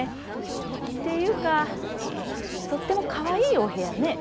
っていうかとってもかわいいお部屋ね。